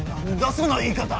その言い方！